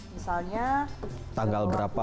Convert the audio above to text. misalnya tanggal berapa